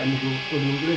selisih berapa hari